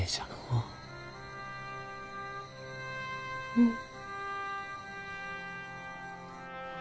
うん。